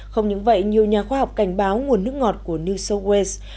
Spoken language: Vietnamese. không những vậy nhiều nhà khoa học cảnh báo nguồn nước ngọt của new south wales